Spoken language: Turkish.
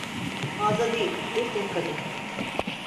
Fazla değil bir tek kadeh…